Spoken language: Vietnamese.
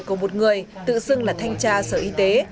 của một người tự xưng là thanh tra sở y tế